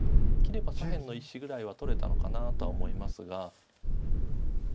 切れば左辺の石ぐらいは取れたのかなとは思いますが。